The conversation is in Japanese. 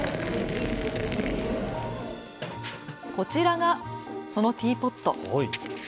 こちらがそのティーポット。